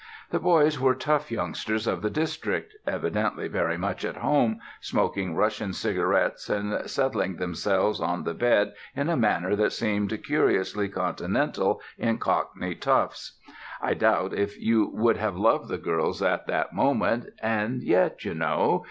The boys were tough youngsters of the district, evidently very much at home, smoking Russian cigarettes and settling themselves on the bed in a manner that seemed curiously continental in Cockney toughs. I doubt if you would have loved the girls at that moment; and yet ... you know